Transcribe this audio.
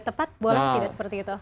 tepat boleh tidak seperti itu